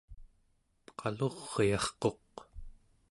qaluryarquq